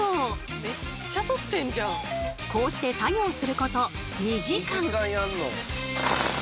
こうして作業すること２時間。